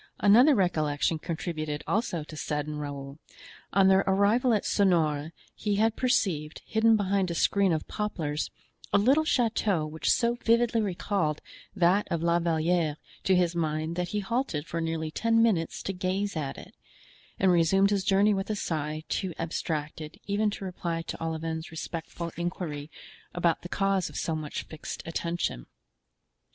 Another recollection contributed also to sadden Raoul: on their arrival at Sonores he had perceived, hidden behind a screen of poplars, a little chateau which so vividly recalled that of La Valliere to his mind that he halted for nearly ten minutes to gaze at it, and resumed his journey with a sigh too abstracted even to reply to Olivain's respectful inquiry about the cause of so much fixed attention.